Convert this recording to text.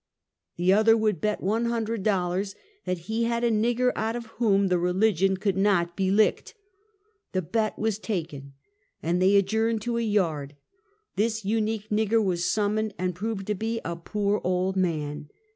The other would bet one hundred dollars that he had a nigger out of whom the religion could not be licked. The bet was taken and they adjourned to a yard. This unique nigger was summoned, and proved to be a poor old man.